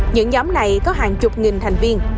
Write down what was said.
những nhóm này có hàng chục nghìn thành viên